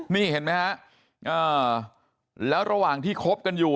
นี่เห็นไหมฮะแล้วระหว่างที่คบกันอยู่